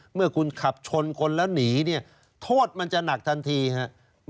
เมื่อคุณขับชนคนแล้วหนีเนี่ยโทษมันจะหนักทันทีครับ